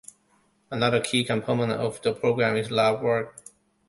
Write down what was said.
Another key component of the program is lab work.